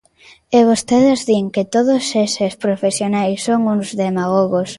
E vostedes din que todos eses profesionais son uns demagogos.